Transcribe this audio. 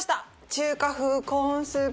中華風コーンスープです。